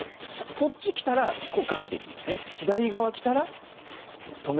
こっちきたらこうガッていって左側きたら止める。